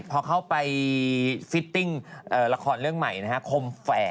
พอเข้าไปฟิตติ้งราคอลเรื่องใหม่นะฮะคมแฟร์